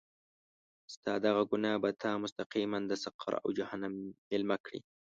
ستا دغه ګناه به تا مستقیماً د سقر او جهنم میلمه کړي.